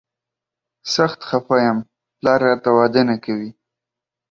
سخت خفه یم، پلار راته واده نه کوي.